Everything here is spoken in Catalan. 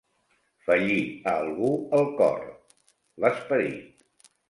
Fallir a algú el cor, l'esperit.